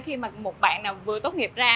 khi mà một bạn nào vừa tốt nghiệp ra